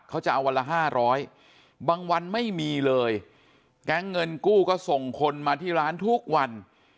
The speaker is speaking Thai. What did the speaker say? เขาจะเอาวันละ๕๐๐บางวันไม่มีเลยแก๊งเงินกู้ก็ส่งคนมาที่ร้านทุกวัน